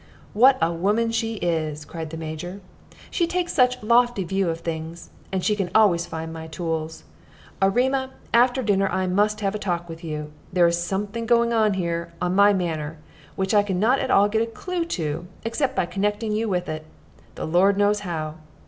"What a woman she is!" cried the Major; "she takes such a lofty view of things, and she can always find my tools. Erema, after dinner I must have a talk with you. There is something going on here on my manor which I can not at all get a clew to, except by connecting you with it, the Lord knows how.